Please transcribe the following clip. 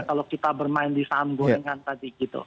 kalau kita bermain di saham gorengan tadi gitu